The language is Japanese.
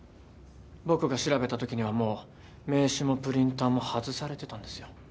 僕が調べたときにはもう名刺もプリンターも外されてたんですよ。